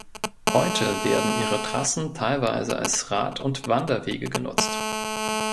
Heute werden ihre Trassen teilweise als Rad- und Wanderwege genutzt.